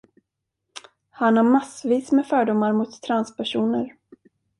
Han har massvis med fördomar mot transpersoner.